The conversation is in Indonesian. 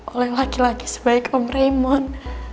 oleh laki laki sebaik om raymond